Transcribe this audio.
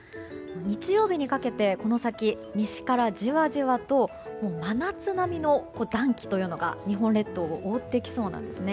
日曜日にかけてこの先、西からじわじわと真夏並みの暖気というのが日本列島を覆ってきそうなんです。